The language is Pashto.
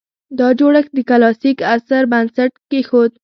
دا جوړښت د کلاسیک عصر بنسټ کېښود